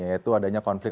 yaitu adanya konflik